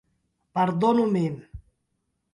Pardonu min!